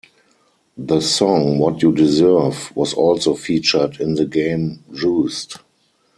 The song "What You Deserve" was also featured in the game "Juiced".